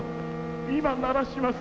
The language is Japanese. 今鳴らします。